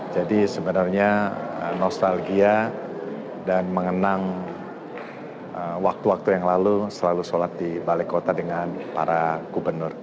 jadi sebenarnya nostalgia dan mengenang waktu waktu yang lalu selalu sholat di balai kota dengan para gubernur